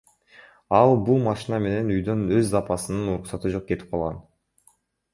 Ал бул машина менен үйдөн өз апасынын уруксаты жок кетип калган.